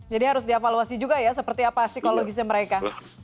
jadi harus diavaluasi juga ya seperti apa psikologisnya mereka